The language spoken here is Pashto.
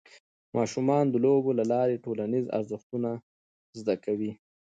ماشومان د لوبو له لارې ټولنیز ارزښتونه زده کوي.